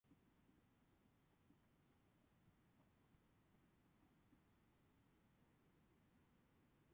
Graves himself was well aware of scholarly mistrust of "The Greek Myths".